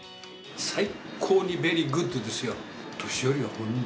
最高にベリーグッドですよ。